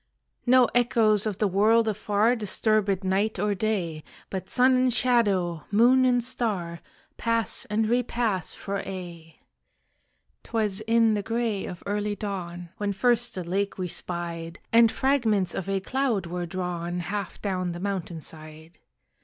No echoes of the world afar Disturb it night or day, But sun and shadow, moon and star, Pass and repass for aye. 'Twas in the gray of early dawn When first the lake we spied, And fragments of a cloud were drawn Half down the mountain side.